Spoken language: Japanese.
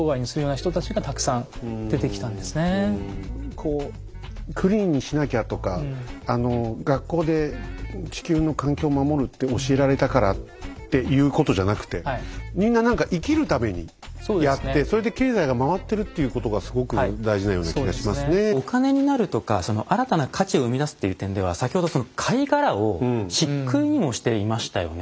こうクリーンにしなきゃとか学校で地球の環境を守るって教えられたからっていうことじゃなくてお金になるとかその新たな価値を生み出すっていう点では先ほどその貝殻をしっくいにもしていましたよね。